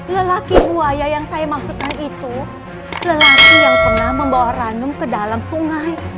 lelaki buaya yang saya maksudkan itu lelaki yang pernah membawa ranum ke dalam sungai